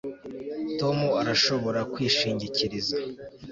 Tom arashobora kwishingikiriza